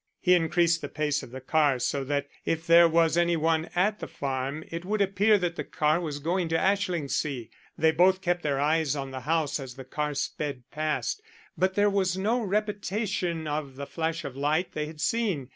He increased the pace of the car so that if there was any one at the farm it would appear that the car was going on to Ashlingsea. They both kept their eyes on the house as the car sped past, but there was no repetition of the flash of light they had seen.